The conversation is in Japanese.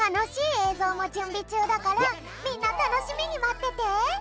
ぞうもじゅんびちゅうだからみんなたのしみにまってて！